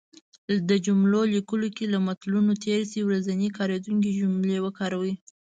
د جملو لیکلو کې له متلونو تېر شی. ورځنی کارېدونکې کلمې وکاروی